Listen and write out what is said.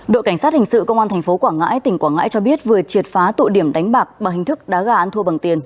đội cảnh sát hình sự công an tp hcm cho biết vừa triệt phá tội điểm đánh bạc bằng hình thức đá gà ăn thua bằng tiền